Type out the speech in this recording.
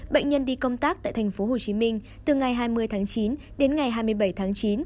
bệnh nhân đi công tác tại thành phố hồ chí minh từ ngày hai mươi tháng chín đến ngày hai mươi bảy tháng chín